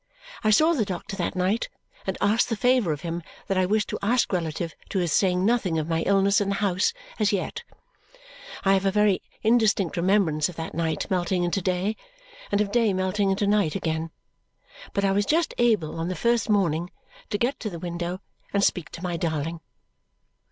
I saw the doctor that night and asked the favour of him that I wished to ask relative to his saying nothing of my illness in the house as yet. I have a very indistinct remembrance of that night melting into day, and of day melting into night again; but I was just able on the first morning to get to the window and speak to my darling.